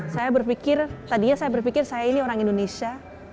saya berpikir tadinya saya berpikir saya ini orang indonesia